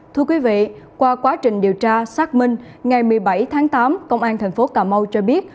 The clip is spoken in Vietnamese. thưa quý vị qua quá trình điều tra xác minh ngày một mươi bảy tháng tám công an tp cà mau cho biết